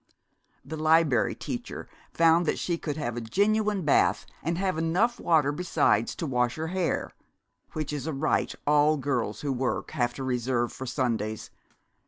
The Liberry Teacher found that she could have a genuine bath, and have enough water besides to wash her hair, which is a rite all girls who work have to reserve for Sundays.